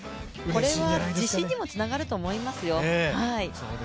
これは自信にもつながると思いますよ。